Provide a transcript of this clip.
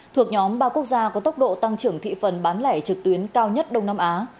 thuộc nhóm ba quốc gia có tốc độ tăng trưởng thị phần bán lẻ trực tuyến cao nhất đông nam á